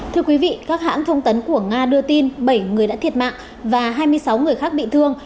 thưa quý vị các hãng thông tấn của nga đưa tin bảy người đã thiệt mạng và hai mươi sáu người khác bị thương